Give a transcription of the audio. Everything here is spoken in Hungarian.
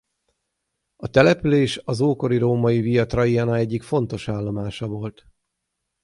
A település az ókori római Via Traiana egyik fontos állomása volt.